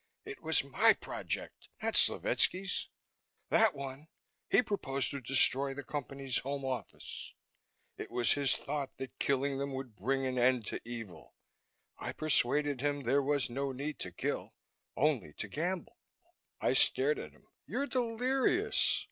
It was my project, not Slovetski's. That one, he proposed to destroy the Company's Home Office; it was his thought that killing them would bring an end to evil. I persuaded him there was no need to kill only to gamble." I stared at him. "You're delirious!"